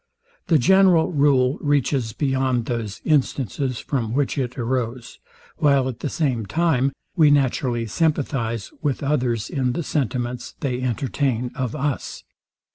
The general rule reaches beyond those instances, from which it arose; while at the same time we naturally sympathize with others in the sentiments they entertain of us.